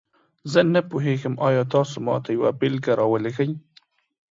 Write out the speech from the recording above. زه نه پوهیږم، آیا تاسو ماته یوه بیلګه راولیږئ؟